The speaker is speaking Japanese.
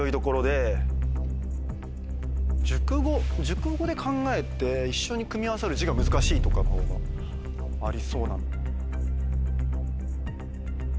熟語で考えて一緒に組み合わさる字が難しいとかのほうがありそうな。